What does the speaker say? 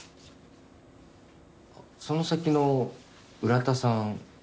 その先の浦田さん